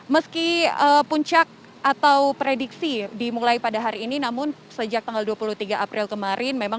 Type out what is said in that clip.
meski puncak atau prediksi dimulai pada hari ini namun sejak tanggal dua puluh tiga april kemarin memang